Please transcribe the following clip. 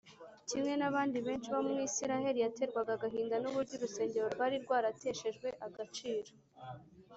Kimwe n’abandi benshi bo mw’Isiraheli, yaterwaga agahinda n’uburyo urusengero rwari rwarateshejwe agaciro